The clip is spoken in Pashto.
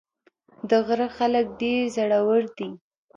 د غره خلک ډېر زړور دي.